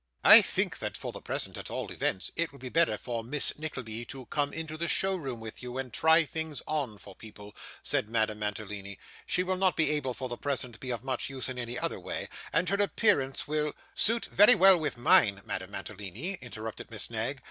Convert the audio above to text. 'I think that, for the present at all events, it will be better for Miss Nickleby to come into the show room with you, and try things on for people,' said Madame Mantalini. 'She will not be able for the present to be of much use in any other way; and her appearance will ' 'Suit very well with mine, Madame Mantalini,' interrupted Miss Knag.